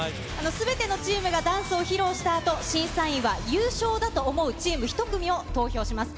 すべてのチームがダンスを披露したあと、審査員は優勝だと思うチーム１組を投票します。